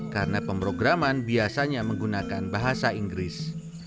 karena pemrograman biasanya menggunakan bahasa inggris